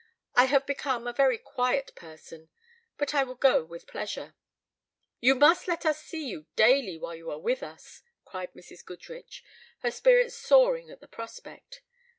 "I have become a very quiet person, but I will go with pleasure." "You must let us see you daily while you are with us," cried Mrs. Goodrich, her spirits soaring at the prospect.